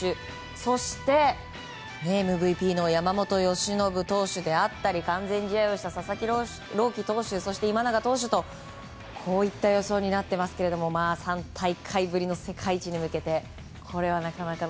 そして、ＭＶＰの山本由伸投手であったり完全試合をした佐々木朗希投手そして今永投手といった予想になっていますが３大会ぶりの世界一に向けてこれはなかなかの。